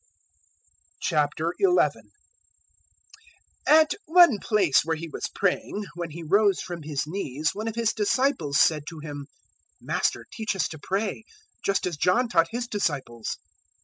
011:001 At one place where He was praying, when He rose from His knees one of His disciples said to Him, "Master, teach us to pray, just as John taught his disciples."